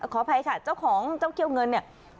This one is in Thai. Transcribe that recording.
ขออภัยค่ะเจ้าของเจ้าเขี้ยวเงินเนี่ย